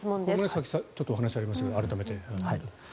さっきお話がありましたが改めて。